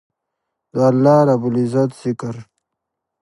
د الله رب العزت ذکر